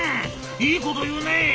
「いいこと言うね」。